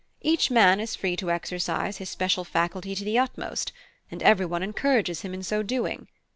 Each man is free to exercise his special faculty to the utmost, and every one encourages him in so doing.